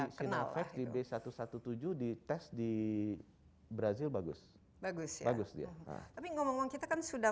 sinovac di b satu ratus tujuh belas dites di brazil bagus bagus bagus dia tapi ngomong ngomong kita kan sudah